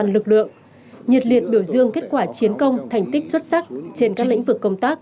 lực lượng nhiệt liệt biểu dương kết quả chiến công thành tích xuất sắc trên các lĩnh vực công tác